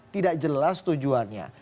tidak jelas tujuannya